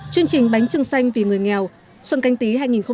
chương trình bánh trưng xanh vì người nghèo xuân canh tí hai nghìn hai mươi